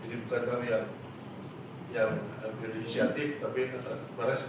jadi bukan kami yang berinisiatif tapi berespon dalam usulan tersebut